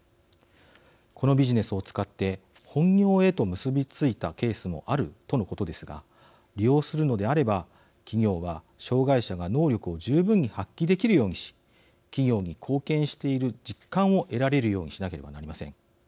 このビジネスを使って本業へと結び付いたケースもあるとのことですが利用するのであれば企業は障害者が能力を十分に発揮できるようにし企業に貢献している実感を得られるようにしなければなりません。